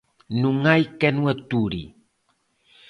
Non hai quen o ature